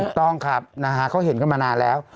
ถูกต้องครับเขาเห็นกันมานานแล้ว